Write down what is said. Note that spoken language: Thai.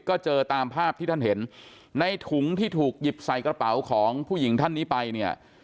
ก็เจอตามภาพที่ท่านเห็นในถุงที่ถูกหยิบใส่กระเป๋าของผู้หญิงท่านนี้ไปเนี่ย